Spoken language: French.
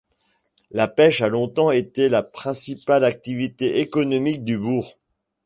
La pêche a longtemps été la principale activité économique du bourg.